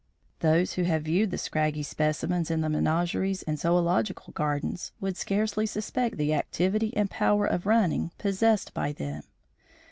Those who have viewed the scraggy specimens in the menageries and zoological gardens would scarcely suspect the activity and power of running possessed by them.